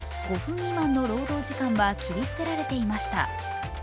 これまでは５分未満の労働時間は切り捨てられていました。